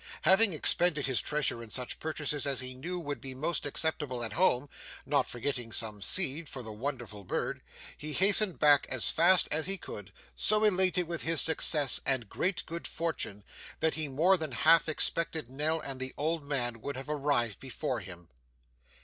Having expended his treasure in such purchases as he knew would be most acceptable at home, not forgetting some seed for the wonderful bird, he hastened back as fast as he could, so elated with his success and great good fortune, that he more than half expected Nell and the old man would have arrived before him.